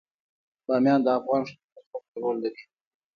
بامیان د افغان ښځو په ژوند کې رول لري.